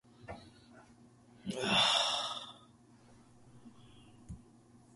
「しかし、あなたがその厳密さを千倍にしても、役所が自分自身に対して課している厳密さに比べるなら、まだまだなんでもないものです。